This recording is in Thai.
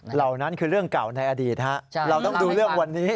แต่ถ้าเกิดว่าเราไม่กลัวเราเล่นได้